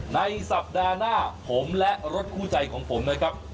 ในสัปดาห์หน้าผมและรถคู่ใจของผมนะครับ